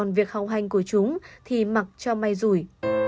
còn việc hóng hành của chúng thì mặc cho may rủi